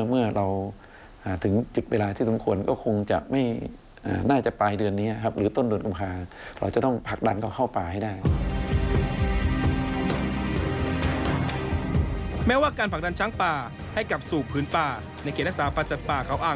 แม้ว่าการผลักดันช้างป่าให้กลับสู่พื้นป่าในเขตรักษาพันธ์สัตว์ป่าเขาอ้าง